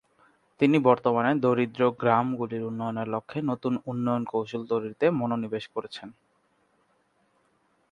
তিনি বর্তমানে দরিদ্র গ্রামগুলির উন্নয়নের লক্ষ্যে নতুন উন্নয়ন কৌশল তৈরিতে মনোনিবেশ করছেন।